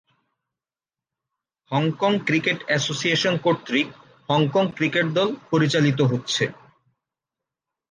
Hong Kong cricket association কর্তৃক Hong Kong cricket দল পরিচালিত হচ্ছে।